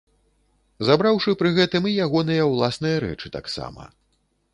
Забраўшы пры гэтым і ягоныя ўласныя рэчы таксама.